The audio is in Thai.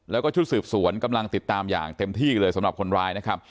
แล้วก็ชุดสืบสวนกำลังติดตามอย่างเต็มที่เลยสำหรับคนร้ายนะครับ